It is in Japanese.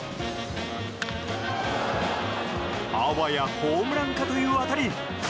あわやホームランかという当たり。